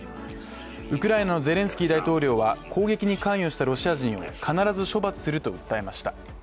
ウクライナのゼレンスキー大統領は攻撃に関与したロシア人を必ず処罰すると訴えました。